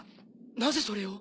なぜそれを？